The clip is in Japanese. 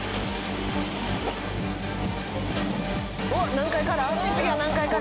おっ何階から？